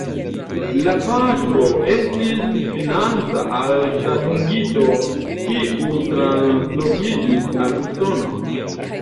La patro estis financa alta dungito kiu translokiĝis al Usono.